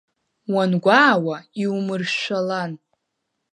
Уангәаауа, иумыршәшәалан!